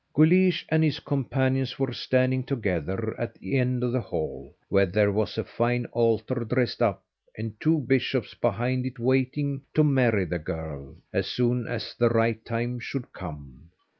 Guleesh and his companions were standing together at the head of the hall, where there was a fine altar dressed up, and two bishops behind it waiting to marry the girl, as soon as the right time should come.